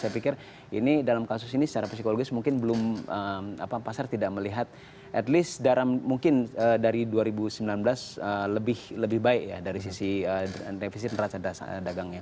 saya pikir ini dalam kasus ini secara psikologis mungkin belum pasar tidak melihat at least mungkin dari dua ribu sembilan belas lebih baik ya dari sisi defisit neraca dagangnya